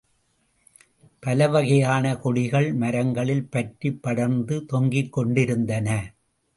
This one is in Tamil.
பலவகையான கொடிகள் மரங்களில் பற்றிப் படர்ந்து தொங்கிக்கொண்டிருந்தன.